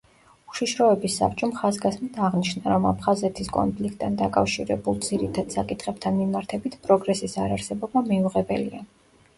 უშიშროების საბჭომ ხაზგასმით აღნიშნა, რომ აფხაზეთის კონფლიქტთან დაკავშირებულ ძირითად საკითხებთან მიმართებით პროგრესის არარსებობა მიუღებელია.